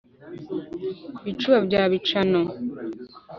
bicuba bya bicano